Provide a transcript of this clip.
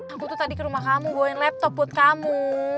aku tuh tadi ke rumah kamu bawain laptop buat kamu